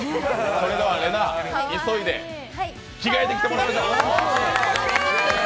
それでは、れなぁ、急いで着替えてきてもらって。